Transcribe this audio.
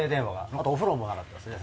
あとお風呂もなかったですね